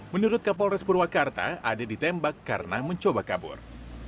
menurut kapolres purwakarta ade ditembak karena mencoba kabur